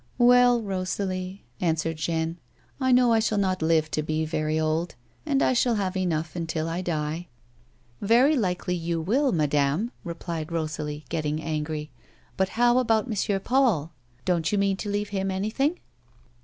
" Well, Rosalie*^ answered Jeanne. " T know I shall not live to be very old, and I shall have enough until I die." " Very likely you will, madame," replied Rosalie, getting 216 A WOMAN'S LIFE. angry ;" but how about M. Paul ? Don't you mean to leave liim anything?